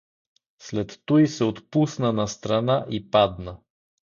След туй се отпусна настрана и падна.